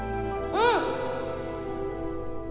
うん！